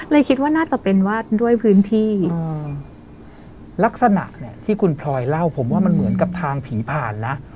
คิดว่าน่าจะเป็นว่าด้วยพื้นที่ลักษณะเนี่ยที่คุณพลอยเล่าผมว่ามันเหมือนกับทางผีผ่านนะ